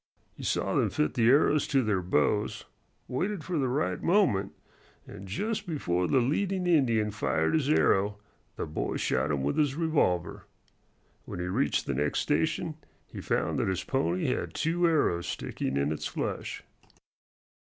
He saw them fit the arrows to their bows, waited for the right moment, and just before the leading Indian fired his arrow the boy shot him with his revolver. When he reached the next station he found that his pony had two arrows sticking in its flesh.